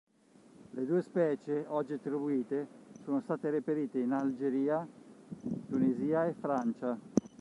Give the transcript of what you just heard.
Le due specie oggi attribuite sono state reperite in Algeria, Tunisia e Francia.